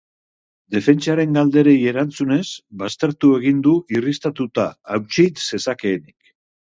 Defentsaren galderei erantzunez, baztertu egin du irristatuta hautsi zezakeenik.